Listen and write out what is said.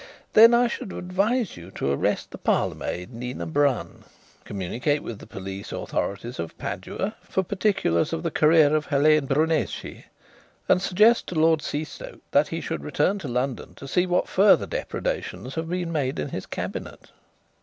"Then I should advise you to arrest the parlourmaid, Nina Brun, communicate with the police authorities of Padua for particulars of the career of Helene Brunesi, and suggest to Lord Seastoke that he should return to London to see what further depredations have been made in his cabinet."